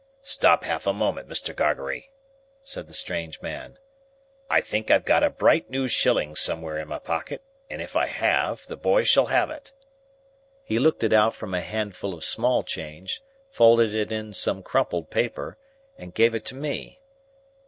"Stop half a moment, Mr. Gargery," said the strange man. "I think I've got a bright new shilling somewhere in my pocket, and if I have, the boy shall have it." He looked it out from a handful of small change, folded it in some crumpled paper, and gave it to me.